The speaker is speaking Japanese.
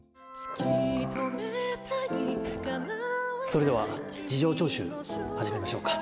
それでは事情聴取始めましょうか。